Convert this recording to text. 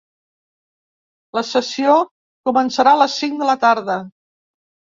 La sessió començarà a les cinc de la tarda.